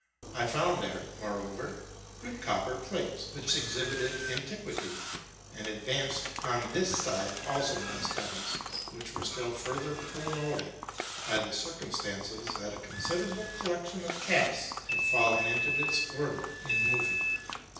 I found there, moreover, good copper plates, which exhibited antiquity, and advanced on this side also my studies, which were still further promoted by the circumstance that a considerable collection of casts had fallen into disorder in moving.